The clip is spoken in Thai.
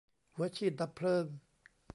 หัวฉีดดับเพลิง